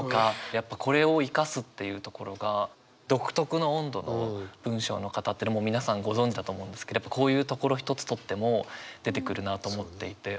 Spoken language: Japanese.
やっぱこれを生かすっていうところが独特の温度の文章の方っていうのはもう皆さんご存じだと思うんですけどこういうところ一つとっても出てくるなと思っていて。